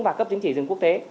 và cấp chứng chỉ rừng quốc tế